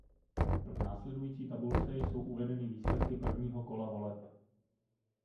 V následující tabulce jsou uvedeny výsledky prvního kola voleb.